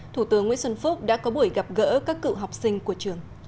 thủ tướng nguyễn xuân phúc đã có buổi gặp gỡ các cựu học sinh của trường